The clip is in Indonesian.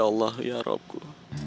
ya allah ya rabbu